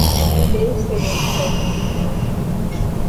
Dave Simmons played keyboards.